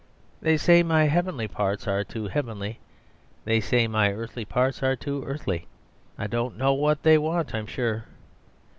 They say my heavenly parts are too heavenly; they say my earthly parts are too earthly; I don't know what they want, I'm sure.